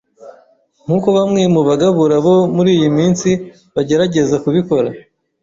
nk’uko bamwe mu bagabura bo muri iyi minsi bagerageza kubikora